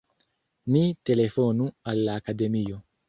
Ni telefonu al la Akademio!